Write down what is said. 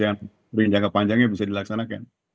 yang jangka panjangnya bisa dilaksanakan